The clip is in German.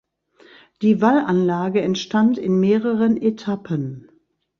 Die Wallanlage entstand in mehreren Etappen.